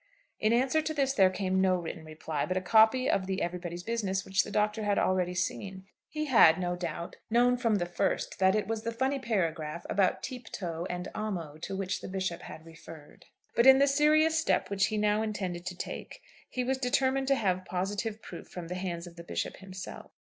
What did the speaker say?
In answer to this there came no written reply, but a copy of the 'Everybody's Business' which the Doctor had already seen. He had, no doubt, known from the first that it was the funny paragraph about 'tupto' and "amo" to which the Bishop had referred. But in the serious steps which he now intended to take, he was determined to have positive proof from the hands of the Bishop himself.